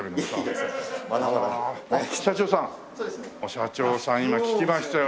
社長さん今聞きましたよ。